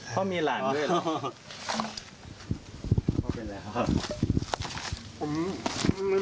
เพราะมีหลานด้วยเหรอ